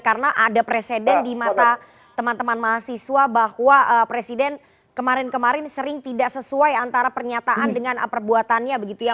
karena ada presiden di mata teman teman mas iswa bahwa presiden kemarin kemarin sering tidak sesuai antara pernyataan dengan perbuatannya begitu ya